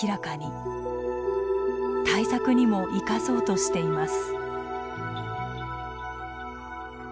対策にも生かそうとしています。